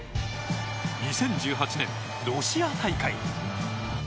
２０１８年、ロシア大会。